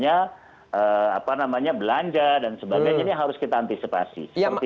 apa namanya belanja dan sebagainya ini harus kita antisipasi